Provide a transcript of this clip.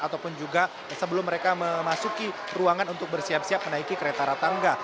ataupun juga sebelum mereka memasuki ruangan untuk bersiap siap menaiki kereta ratangga